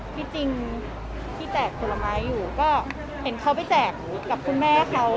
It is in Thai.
ที่จริงที่แจกผลไม้อยู่ก็เห็นเขาไปแจกกับคุณแม่เขา